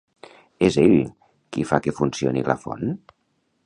És ell qui fa que funcioni la font?